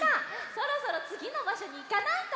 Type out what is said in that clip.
そろそろつぎのばしょにいかないと！